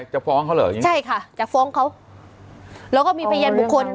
จะฟ้องเขาเหรออย่างนี้ใช่ค่ะจะฟ้องเขาแล้วก็มีพยานบุคคล